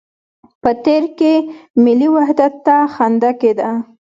په تېر کې ملي وحدت ته خنده کېده.